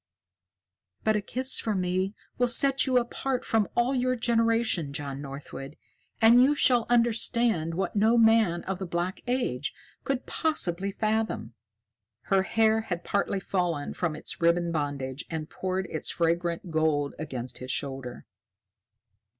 "But a kiss from me will set you apart from all your generation, John Northwood, and you shall understand what no man of the Black Age could possibly fathom." Her hair had partly fallen from its ribbon bandage and poured its fragrant gold against his shoulder.